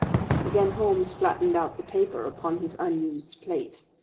Again Holmes flattened out the paper upon his unused plate.